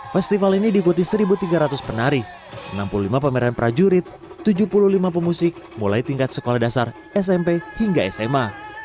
festival ini diikuti satu tiga ratus penari enam puluh lima pameran prajurit tujuh puluh lima pemusik mulai tingkat sekolah dasar smp hingga sma